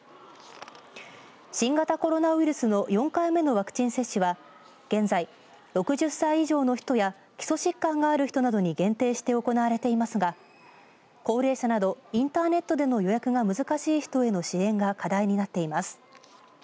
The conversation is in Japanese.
新型コロナウイルスの４回目のワクチン接種は現在、６０歳以上の人や基礎疾患がある人などに限定して行われていますが高齢者などインターネットでの予約が難しい人への支援が課題になっています。